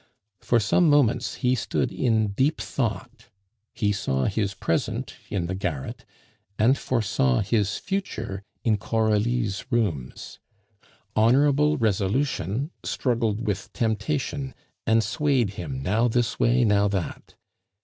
For some moments he stood in deep thought; he saw his present in the garret, and foresaw his future in Coralie's rooms. Honorable resolution struggled with temptation and swayed him now this way, now that.